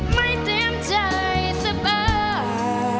ไม่เตรียมใจสบาย